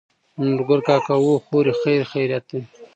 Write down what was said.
نورګل کاکا: هو خورې خېرخېرت دى.